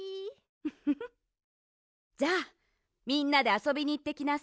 フフフじゃあみんなであそびにいってきなさい。